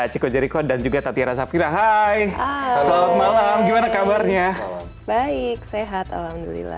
chico jericho dan juga tatyara safira hai hai selamat malam gimana kabarnya baik sehat alhamdulillah